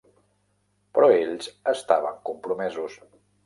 Però ells estaven compromesos.